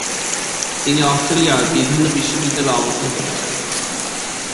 তিনি অস্ট্রেলিয়ার বিভিন্ন বিশ্ববিদ্যালয়ে অবস্থান করেছেন।